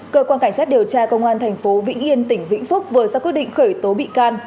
cơ quan cảnh sát điều tra công an tp vĩnh yên tỉnh vĩnh phúc vừa ra quyết định khởi tố bị can